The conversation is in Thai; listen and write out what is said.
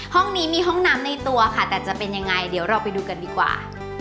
ห้องนี้มีห้องน้ำในตัวต้องไปดูกันดีกว่า